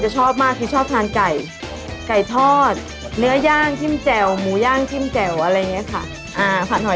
เมื่อกี้พิศูนย์ว่าคือมีไทยทาง